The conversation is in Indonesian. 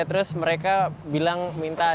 terus mereka bilang minta